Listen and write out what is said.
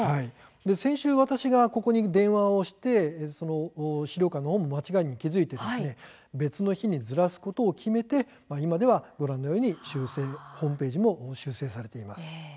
先週、私はここに電話をして資料館のほうも間違いに気付いて別の日にずらすことを決めて今ではご覧のようにホームページも修正されています。